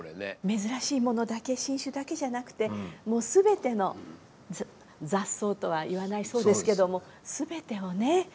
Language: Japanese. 珍しいものだけ新種だけじゃなくてもう全ての雑草とは言わないそうですけども全てをね